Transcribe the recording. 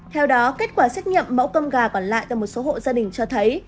theo đó kết quả xét nghiệm mẫu cơm gà quản lại từ một số hộ gia đình cho thấy